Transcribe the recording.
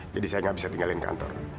jadi saya gak bisa tinggalin kantor